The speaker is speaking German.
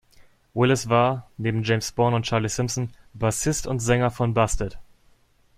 Willis war, neben James Bourne und Charlie Simpson, Bassist und Sänger von Busted.